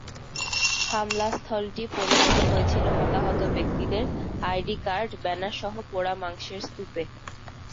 হামলাস্থলটি পরিণত হয়েছিল হতাহত ব্যক্তিদের আইডি কার্ড, ব্যানারসহ পোড়া মাংসের স্তূপে।